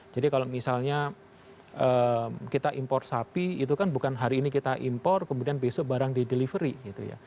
jadi kalau misalnya kita impor sapi itu kan bukan hari ini kita impor kemudian besok barang di delivery gitu ya